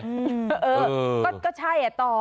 เออก็ใช่อ่ะต่อ